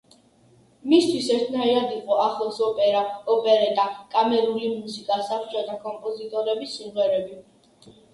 მისთვის ერთნაირად იყო ახლოს ოპერა, ოპერეტა, კამერული მუსიკა, საბჭოთა კომპოზიტორების სიმღერები.